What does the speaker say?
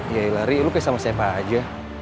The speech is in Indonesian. yaelah ri lo kayak sama siapa aja